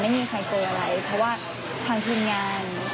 ไม่มีใครโกงอะไรเพราะว่าทางทีมงาน